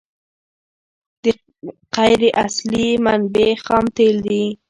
د قیر اصلي منبع خام تیل دي